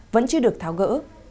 vẫn chưa được tháo gỡ